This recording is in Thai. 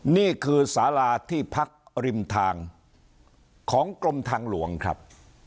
นี่คือสาราที่พักริมทางของกรมทางหลวงครับ